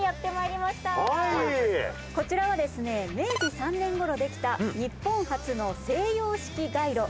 こちらはですね明治３年頃できた日本初の西洋式街路。